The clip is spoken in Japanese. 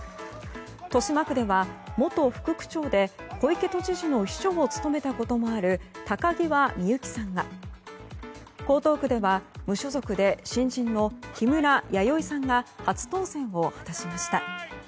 豊島区では元副区長で小池都知事の秘書を務めたこともある高際みゆきさんが江東区では、無所属で新人の木村弥生さんが初当選を果たしました。